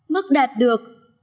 mức đạt được